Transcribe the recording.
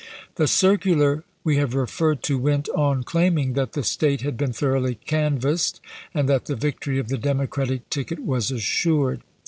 The circular we have referred to went on claim ing that the State had been thoroughly canvassed, and that the victory of the Democratic ticket was assured.